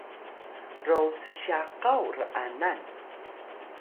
ro ssyakaw r’anan